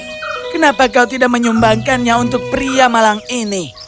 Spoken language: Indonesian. tapi kenapa kau tidak menyumbangkannya untuk pria malang ini